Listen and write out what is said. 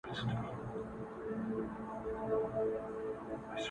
هره ورځ لا جرګې کېږي د مېږیانو٫